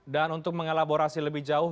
dan untuk mengelaborasi lebih jauh